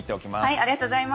ありがとうございます。